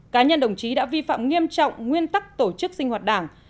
cá nhân đồng chí đã vi phạm nghiêm trọng nguyên tắc tổ chức sinh hoạt đảng